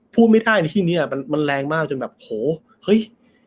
พูดไม่ได้ในที่นี้มันแรงมากจนแบบโหเฮ้ย